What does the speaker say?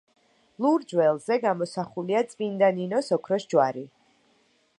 ლურჯ ველზე გამოსახულია წმინდა ნინოს ოქროს ჯვარი.